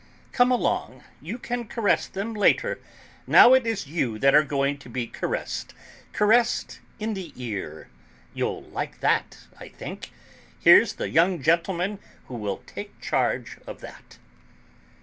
"Come along; you can caress them later; now it is you that are going to be caressed, caressed in the ear; you'll like that, I think. Here's the young gentleman who will take charge of that."